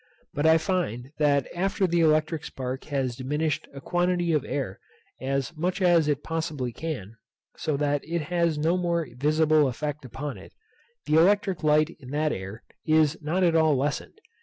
But I find that after the electric spark has diminished a quantity of air as much as it possibly can, so that it has no more visible effect upon it, the electric light in that air is not at all lessened.